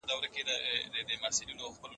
ګوره چي زمان دي په غزل او دېوان څه کوي